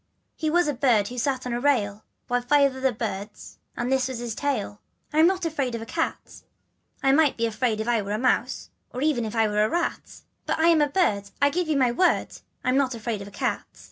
" He was a bird who sat on a rail, With five other birds, and this was his tale ." I'm not afraid of a cat. "" I might be afraid if I were a mouse, Or even if I were a rat : But as I'm a bird I give you my word I'm not afraid of a cat.